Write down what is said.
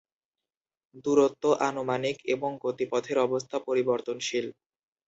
দূরত্ব আনুমানিক এবং গতিপথের অবস্থা পরিবর্তনশীল।